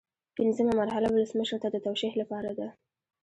پنځمه مرحله ولسمشر ته د توشیح لپاره ده.